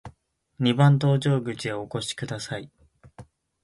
二番搭乗口へお越しください。